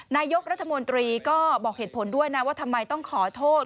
นายกรัฐมนตรีก็บอกเหตุผลด้วยนะว่าทำไมต้องขอโทษ